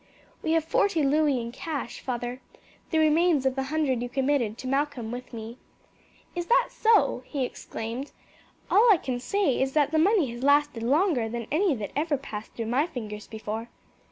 "We have forty louis in cash, father; the remains of the hundred you committed to Malcolm with me." "Is that so?" he exclaimed. "All I can say is that that money has lasted longer than any that ever passed through my fingers before."